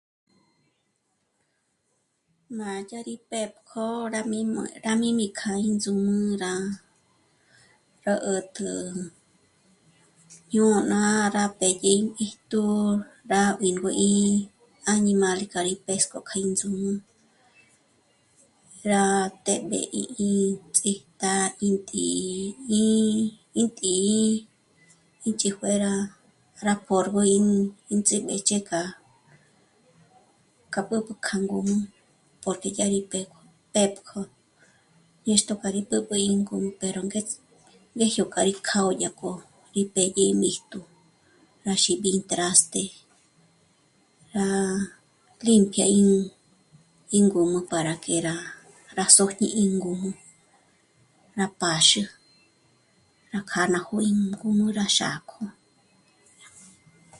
Má yá rí pë́pj' jó'o rá mí mò'... rá mí ,mí kjâ'a índzǔm'ü rá, ró 'ä̀t'ä jñôna rá pë́dyi ímb'íjtu nú, rá ín guí'i añimále k'a rí pésk'o k'a índzǔm'ü rá t'é'b'e í í'i ts'íjt'a ín tǐ'i, í, ín tǐ'i ín ch'ijue rá, rá pôrgo í, ín ts'íb'èjch'e k'a, k'a b'ǚb'ü k'a ngǔm'ü, porque dyá rí pë́pj', pë́pj' jó'o ñextjo k'a rí b'ǚb'ü ín ngùr' pero ngéjyo k'a rí kjâ'a dyák'o í pédye í míjtu rá xíbi ín traste, rá limpia ín, íngǔm'ü para que rá sójñi íngǔm'ü nà pâxü, nà kjâ'a ná nójo íngǔm'ü rá xák'o